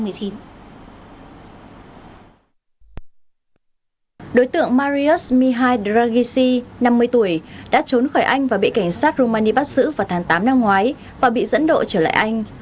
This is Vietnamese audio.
đối tượng marius mihai dargissi năm mươi tuổi đã trốn khỏi anh và bị cảnh sát rumani bắt giữ vào tháng tám năm ngoái và bị dẫn độ trở lại anh